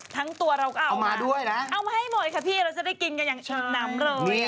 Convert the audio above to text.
ทั้งตัวเราก็เอามาด้วยนะเอามาให้หมดค่ะพี่เราจะได้กินกันอย่างอิ่มน้ำเลย